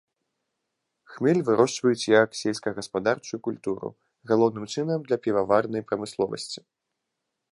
Хмель вырошчваюць як сельскагаспадарчую культуру, галоўным чынам для піваварнай прамысловасці.